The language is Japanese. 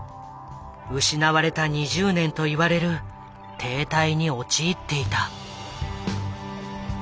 「失われた２０年」といわれる停滞に陥っていた。